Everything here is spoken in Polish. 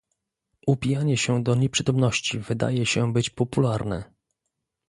Upijanie się do nieprzytomności wydaje się być popularne